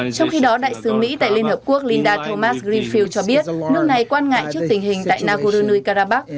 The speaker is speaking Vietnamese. trong khi đó đại sứ mỹ tại liên hợp quốc linda thomas greenfield cho biết nước này quan ngại trước tình hình tại nagorno karabakh